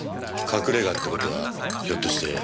隠れ家って事はひょっとして。